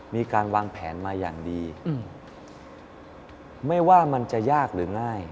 มีการวางแผนมาอย่างดีไม่ว่ามันจะยากหรือง่าย